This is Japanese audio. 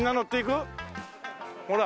ほら。